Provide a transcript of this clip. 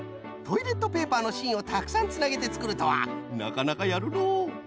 トイレットペーパーのしんをたくさんつなげてつくるとはなかなかやるのう。